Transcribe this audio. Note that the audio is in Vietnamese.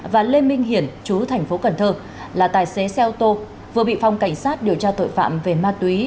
và lê minh hiển chú thành phố cần thơ là tài xế xe ô tô vừa bị phòng cảnh sát điều tra tội phạm về ma túy